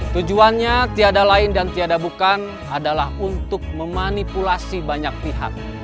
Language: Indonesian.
tujuannya tiada lain dan tiada bukan adalah untuk memanipulasi banyak pihak